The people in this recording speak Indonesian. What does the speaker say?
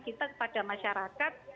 kita kepada masyarakat